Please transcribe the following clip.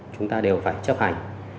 chúng ta đều phải chấp hành